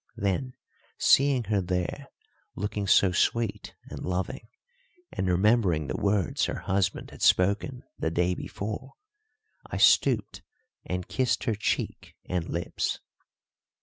Then, seeing her there looking so sweet and loving, and remembering the words her husband had spoken the day before, I stooped and kissed her cheek and lips.